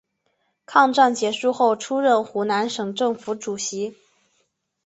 抗战结束后出任湖南省政府主席。